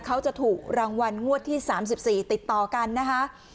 เขาจะถูกรางวัลงวดที่๓๔ติดต่อกันนะคะ